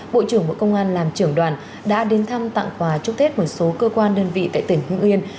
bộ trưởng bộ công an làm trưởng đoàn đã đến thăm tặng quà chúc tết một số cơ quan đơn vị tại tỉnh hưng yên